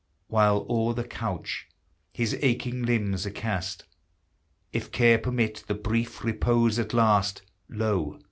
While o'er the couch his aching limbs are cast, If care permit the brief repose at last, Lo